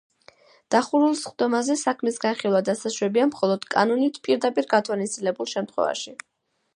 დახურულ სხდომაზე საქმის განხილვა დასაშვებია მხოლოდ კანონით პირდაპირ გათვალისწინებულ შემთხვევებში.